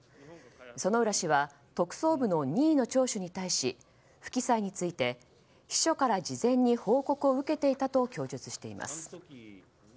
薗浦氏は、特捜部の任意の聴取に対し不記載に対して秘書から事前に報告を受けていたと供述しています。